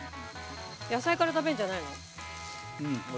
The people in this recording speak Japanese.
野菜から食べるんじゃないの？